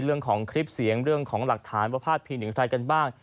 เรื่องของคลิปเสียงเรื่องของหลักฐานว่าพาดพิงถึงใครกันบ้าง